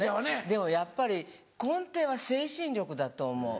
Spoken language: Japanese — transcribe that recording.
でもやっぱり根底は精神力だと思う。